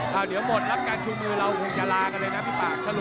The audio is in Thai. ถ้าเดี๋ยวหมดแล้วกับการชูมือเราคงจะลากันเลยนะพี่ป่า